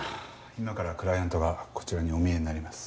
今からクライアントがこちらにお見えになります。